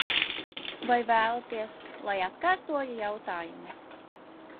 Vai vēlaties, lai atkārtoju jautājumu?